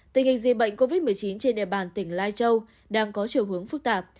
tình hình dịch bệnh covid một mươi chín trên địa bàn tỉnh lai châu đang có chiều hướng phức tạp